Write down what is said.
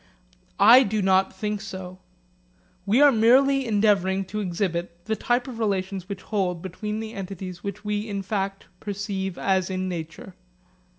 I do not think so. We are merely endeavouring to exhibit the type of relations which hold between the entities which we in fact perceive as in nature.